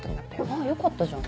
あぁよかったじゃん。